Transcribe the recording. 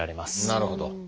なるほど。